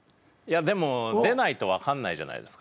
でも出ないと分かんないじゃないですか。